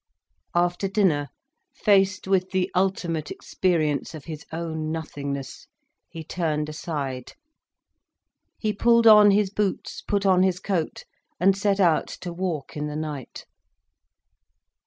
After dinner, faced with the ultimate experience of his own nothingness, he turned aside. He pulled on his boots, put on his coat, and set out to walk in the night.